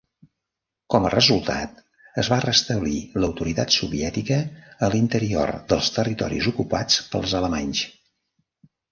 Com a resultat, es va restablir l'autoritat soviètica a l'interior dels territoris ocupats pels alemanys.